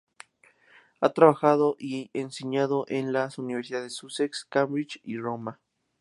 Ha trabajado y enseñado en las universidades de Sussex, Cambridge y Roma.